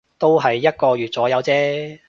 都係一個月左右啫